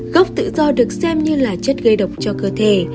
gốc tự do được xem như là chất gây độc cho cơ thể